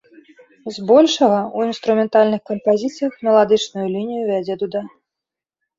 Збольшага ў інструментальных кампазіцыях меладычную лінію вядзе дуда.